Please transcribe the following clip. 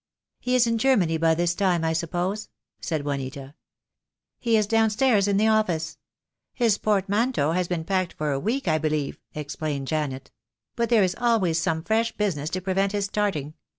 "He is in Germany by this time, I suppose?" said Juanita. "He is downstairs in the office. His portmanteau has been packed for a week, I believe," explained Janet, "but there is always some fresh business to prevent his starting.